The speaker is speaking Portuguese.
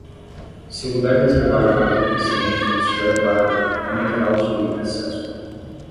Se o lugar reservado para os deficientes estiver vago, aumentará os de livre acesso.